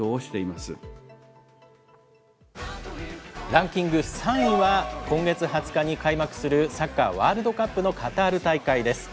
ランキング３位は、今月２０日に開幕するサッカーワールドカップのカタール大会です。